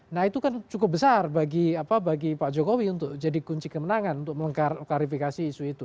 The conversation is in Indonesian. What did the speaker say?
jadi itu besar bagi pak jokowi untuk jadi kunci kemenangan untuk mengkarifikasi isu itu